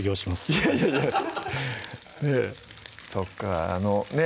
いやいやそっかあのね